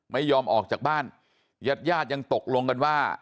ไม่ยอมออกจากบ้านญาติญาติยังตกลงกันว่า